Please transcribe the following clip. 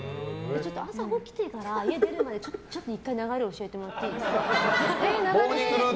朝起きてから家出るまでちょっと１回流れ教えてもらっていいですか？